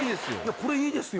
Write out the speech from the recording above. これいいですよ。